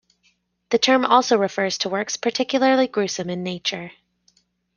The term also refers to works particularly gruesome in nature.